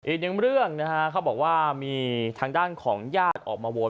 อีกหนึ่งเรื่องนะฮะเขาบอกว่ามีทางด้านของญาติออกมาโวย